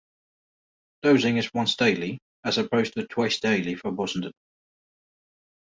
Dosing is once daily, as opposed to twice daily for bosentan.